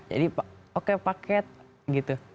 jadi oke paket gitu